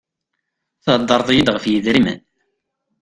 Thedreḍ-iy-d ɣef yidrimen.